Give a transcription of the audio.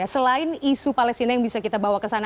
selain isu palestina yang bisa kita bawa ke sana